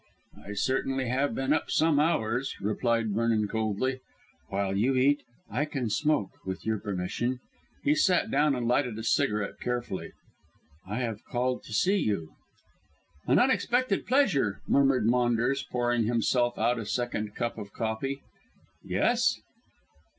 "I certainly have been up some hours," replied Vernon coldly. "While you eat I can smoke, with your permission." He sat down and lighted a cigarette carefully. "I have called to see you " "An unexpected pleasure," murmured Maunders, pouring himself out a second cup of coffee. "Yes?"